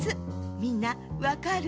みんなわかる？